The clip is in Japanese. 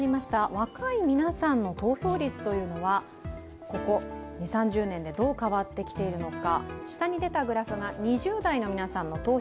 若い皆さんの投票率というのはここ２０、３０年でどう変わってきているのか。